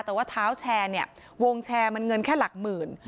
แต่ว่าเท้าแชร์เนี่ยวงแชร์มันเงินแค่หลักหมื่น